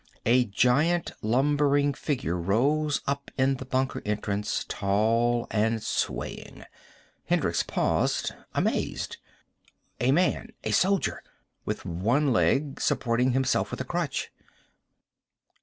A giant lumbering figure rose up in the bunker entrance, tall and swaying. Hendricks paused, amazed. A man, a soldier. With one leg, supporting himself with a crutch.